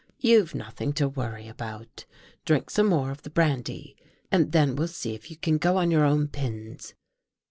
You've nothing to worry about. Drink some more of the brandy, and then we'll see if you can go on your own pins."